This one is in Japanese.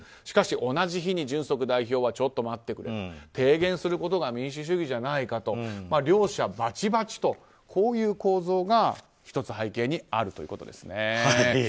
しかし、同じ日にジュンソク代表はちょっと待ってくれ提言することが民主主義じゃないかと両者、バチバチとこういう構造が１つ背景にあるということですね。